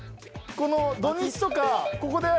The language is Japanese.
土日とかここで。